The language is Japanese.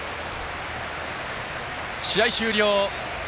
試合終了！